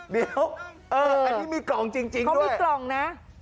เดี๋ยวเอออันนี้มีกล่องจริงด้วยเพราะมีกล่องนะ